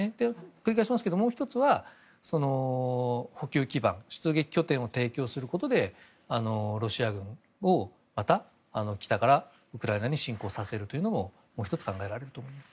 繰り返しますけど、もう１つは補給基盤、出撃拠点を提供することでロシア軍をまた、北からウクライナに侵攻させるのももう１つ考えられると思います。